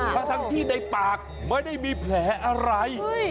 ทั้งที่ในปากไม่ได้มีแผลอะไร